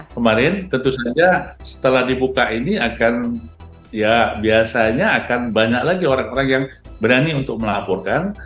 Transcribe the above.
kemarin tentu saja setelah dibuka ini akan ya biasanya akan banyak lagi orang orang yang berani untuk melaporkan